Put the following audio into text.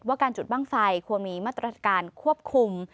การจุดบ้างไฟควรมีมาตรการควบคุม